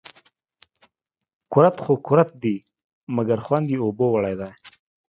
کورت خو کورت دي ، مگر خوند يې اوبو وړى دى